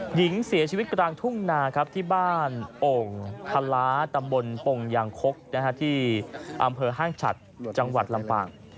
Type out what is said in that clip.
หญิงเสียชีวิตกลางทุ่งนาครับที่บ้านโอ่งทะล้าตำบลปงยางคกที่อำเภอห้างฉัดจังหวัดลำปาง